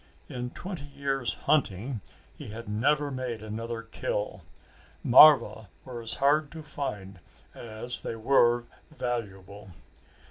In twenty years hunting he had never made another kill. Marva were as hard to find as they were valuable.